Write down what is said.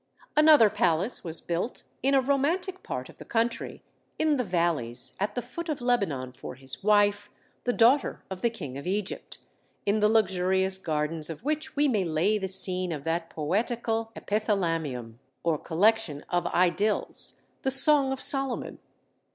Another palace was built in a romantic part of the country in the valleys at the foot of Lebanon for his wife, the daughter of the king of Egypt; in the luxurious gardens of which we may lay the scene of that poetical epithalamium, or collection of Idyls, the Song of Solomon.